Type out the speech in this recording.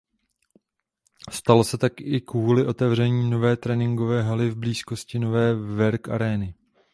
Stalo se tak i kvůli otevření nové tréninkové haly v blízkosti nové Werk Areny.